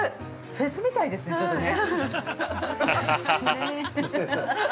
◆フェスみたいですね、ちょっとね。